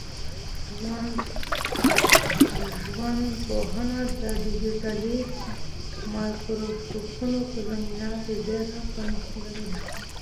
ژوندپوهنه د ډیجیټلي مایکروسکوپونو په زمانه کي ډېره پرمختللې ده.